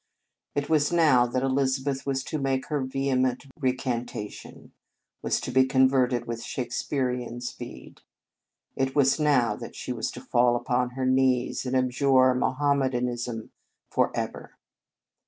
It was now that Elizabeth was to make her vehement recantation, was to be con verted with Shakespearian speed. It was now she was to fall upon her knees, and abjure Mohammedanism forever.